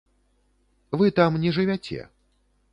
Вы там не жывяце.